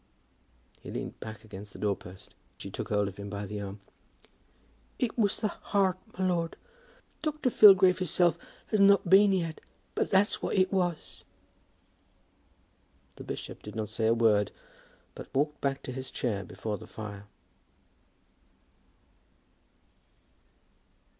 He leaned back against the door post, and she took hold of him by the arm. "It was the heart, my lord. Dr. Filgrave hisself has not been yet; but that's what it was." The bishop did not say a word, but walked back to his chair before the fire.